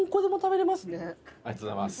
ありがとうございます。